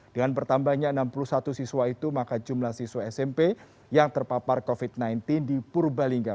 dengan bertambahnya enam puluh satu siswa itu maka jumlah siswa smp yang terpapar covid sembilan belas di purbalingga